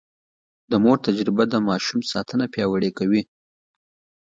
د مور تجربه د ماشوم ساتنه پياوړې کوي.